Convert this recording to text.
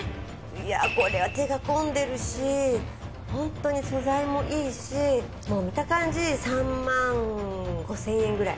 いやこれは手が込んでるしホントに素材もいいしもう見た感じ３万５，０００円くらい。